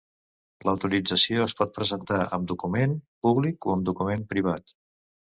L'autorització es pot presentar amb document públic o amb document privat.